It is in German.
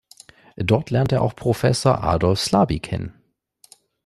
Dort lernte er auch Professor Adolf Slaby kennen.